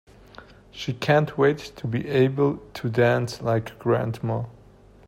She can't wait to be able to dance like grandma!